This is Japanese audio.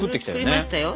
作りましたよ。